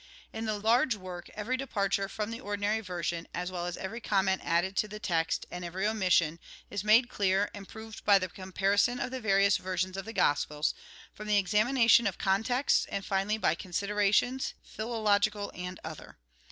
In the large work, every departure from the ordinary version, as well as every comment added to the text, and every omission, is made clear, and proved by the comparison of the various versions of the Gospels, from the examination of contexts, and 6 THE GOSPEL IN BRIEF finally, by considerations, philological and other.